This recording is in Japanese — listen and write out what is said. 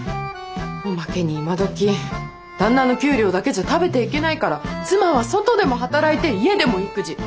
おまけに今どき旦那の給料だけじゃ食べていけないから妻は外でも働いて家でも育児。